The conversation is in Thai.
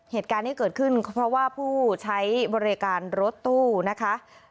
เหตุการณ์ที่เกิดขึ้นเพราะว่าผู้ใช้บริการรถตู้นะคะ